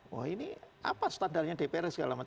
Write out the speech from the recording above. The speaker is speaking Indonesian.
wah ini apa standarnya dpr dan segala macam